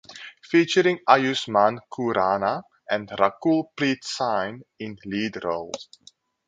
Featuring Ayushmann Khurrana and Rakul Preet Singh in lead roles.